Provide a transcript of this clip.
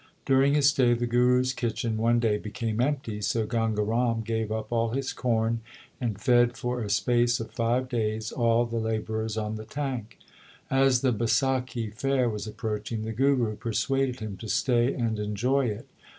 During his stay the Guru s kitchen one day became empty, so Ganga Ram gave up all his corn and fed for a space of five days all the labourers on the tank. As the Baisakhi fair was approaching, the Guru persuaded him to stay and enjoy it.